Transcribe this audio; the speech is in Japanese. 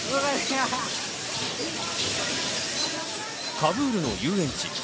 カブールの遊園地。